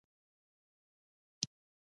دا د وجدان ستړیا ده.